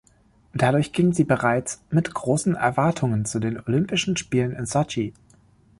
Dadurch ging sie bereits mit großen Erwartungen zu den Olympischen Spielen in Sotschi.